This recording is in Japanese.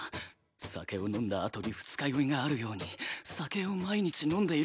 「酒を飲んだ後に宿酔があるように酒を毎日飲んでいると」